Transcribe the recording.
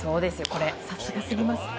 さすがすぎます。